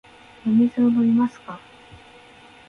お水を飲みますか。